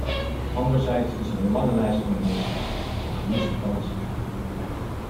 Anderzijds is er een lange lijst van omissies, van gemiste kansen.